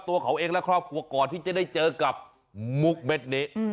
ตัวเขาเองและครอบครัวก่อนที่จะได้เจอกับมุกเม็ดนี้